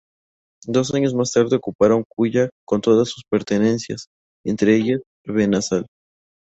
Dos años más tarde ocuparon Culla con todas sus pertenencias, entre ellas Benasal.